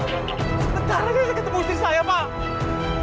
sebentar lagi saya akan temui istri saya pak